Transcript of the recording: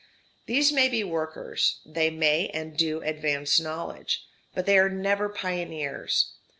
These may be workers, they may and do advance knowledge, but they are never pioneers.